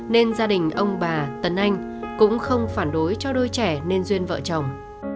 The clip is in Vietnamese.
nên gia đình ông bà tấn anh cũng không phản đối cho đôi trẻ nên duyên vợ chồng